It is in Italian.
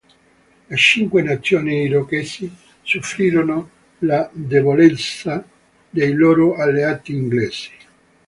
Le Cinque Nazioni Irochesi soffrirono la debolezza dei loro alleati inglesi.